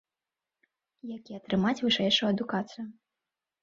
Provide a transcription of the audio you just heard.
Як і атрымаць вышэйшую адукацыю.